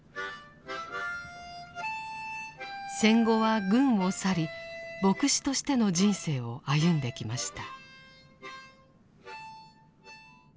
戦後は軍を去り牧師としての人生を歩んできました。